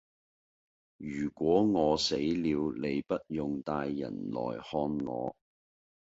如果我死了你不用帶人來看我